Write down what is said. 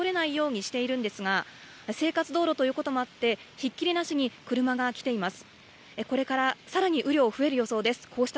今ここでは緊急車両を置いて車が通れないようにしているんですが生活道路ということもあってひっきりなしに車が来ています。